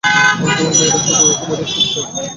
তোমার মায়েরা শুধু তোমাদের সুখ চায়।